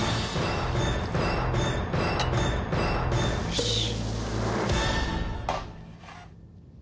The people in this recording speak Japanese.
よし。